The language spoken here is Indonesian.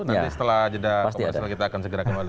nanti setelah jeda komersial kita akan segera kembali